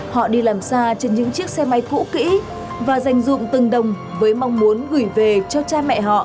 họ đi làm xa trên những chiếc xe máy cũ kỹ và dành dụng từng đồng với mong muốn gửi về cho cha mẹ họ